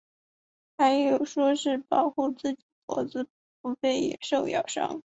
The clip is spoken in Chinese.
还有说是保护自己脖子不被野兽咬伤。